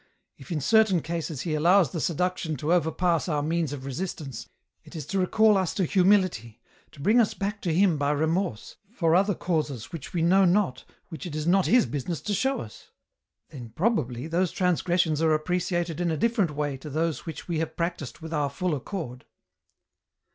If in certain cases, he allows the seduction to overpass our means of resistance, it is to recall us to humility, to bring us back to Him by remorse, for other causes which we know not, which it is not His business to show us. Then pro bably those transgressions are appreciated in a different way to those which we have practised with our full accord."